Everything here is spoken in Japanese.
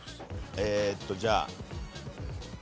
えーっとじゃあＡ。